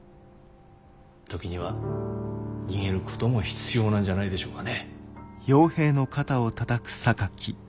時には逃げることも必要なんじゃないでしょうかね。